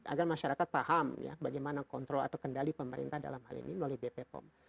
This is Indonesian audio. agar masyarakat paham bagaimana kontrol atau kendali pemerintah dalam hal ini melalui bp pom